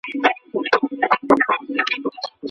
ولي مدام هڅاند د هوښیار انسان په پرتله ډېر مخکي ځي؟